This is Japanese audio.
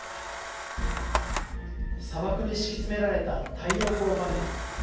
砂漠に敷き詰められた太陽光パネル。